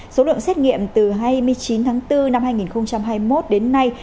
số lượng xét nghiệm từ hai mươi chín tháng bốn năm hai nghìn hai mươi một đến nay